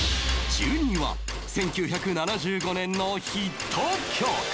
１２位は１９７５年のヒット曲